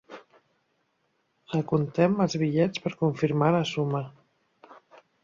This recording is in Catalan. Recomptem els bitllets per confirmar la suma.